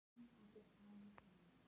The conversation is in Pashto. دا کاروبارونه د ملي اقتصاد بنسټ جوړوي.